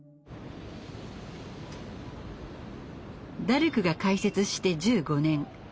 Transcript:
ダルクが開設して１５年。